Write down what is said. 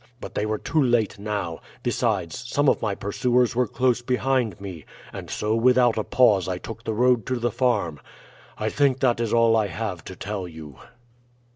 But they were too late now; besides, some of my pursuers were close behind me, and so without a pause I took the road to the farm. I think that is all I have to tell you."